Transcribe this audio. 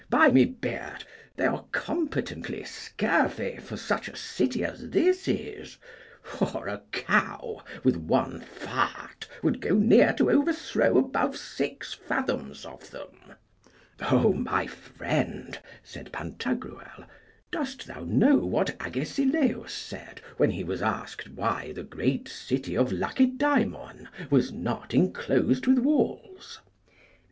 By my beard, they are competently scurvy for such a city as this is; for a cow with one fart would go near to overthrow above six fathoms of them. O my friend, said Pantagruel, dost thou know what Agesilaus said when he was asked why the great city of Lacedaemon was not enclosed with walls?